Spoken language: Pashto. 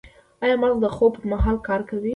ایا مغز د خوب پر مهال کار کوي؟